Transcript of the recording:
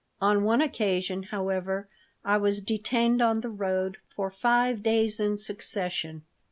On one occasion, however, I was detained on the road for five days in succession.